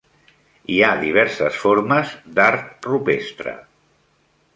Hi ha diverses formes d'art rupestre.